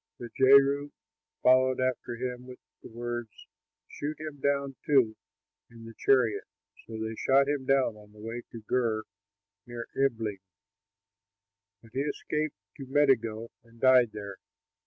But Jehu followed after him with the words, "Shoot him down, too, in the chariot." So they shot him down on the way up to Gur, near Ibleam, but he escaped to Megiddo and died there.